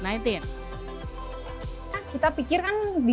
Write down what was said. kita pikirkan di